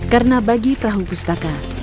karena bagi perahu pustaka